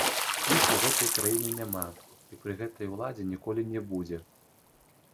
Іх у гэтай краіне няма і пры гэтай уладзе ніколі не будзе.